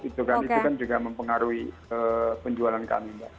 itu kan juga mempengaruhi penjualan kami mbak